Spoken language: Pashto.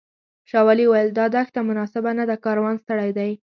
شاولي وویل دا دښته مناسبه نه ده کاروان ستړی دی.